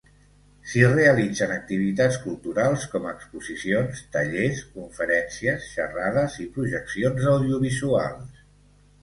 S'hi realitzen activitats culturals com exposicions, tallers, conferències, xerrades i projeccions d'audiovisuals.